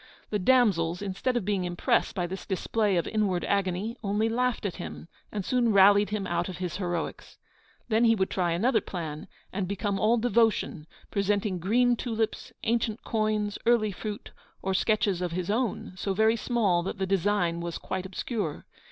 The damsels, instead of being impressed by this display of inward agony, only laughed at him, and soon rallied him out of his heroics. Then he would try another plan, and become all devotion, presenting green tulips, ancient coins, early fruit, or sketches of his own, so very small that the design was quite obscure.